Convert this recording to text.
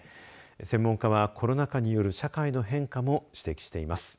専門家はコロナ禍による社会の変化も指摘しています。